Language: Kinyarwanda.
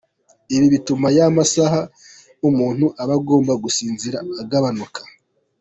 Ibi bituma ya masaha umuntu aba agomba gusinzira agabanuka.